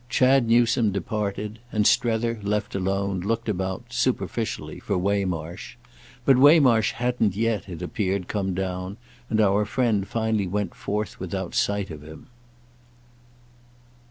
Chad Newsome departed, and Strether, left alone, looked about, superficially, for Waymarsh. But Waymarsh hadn't yet, it appeared, come down, and our friend finally went forth without sight of him.